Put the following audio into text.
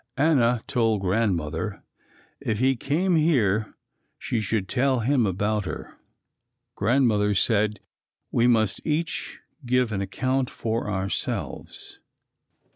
Anna told Grandmother if he came here she should tell him about her. Grandmother said we must each give an account for ourselves.